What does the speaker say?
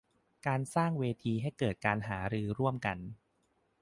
การสร้างเวทีให้เกิดการหารือร่วมกัน